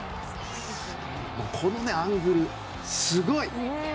このアングル、すごい！